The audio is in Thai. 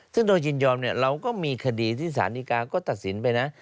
เนี่ยเราก็มีคดีที่สานิกาจึงตัดสินไปนะ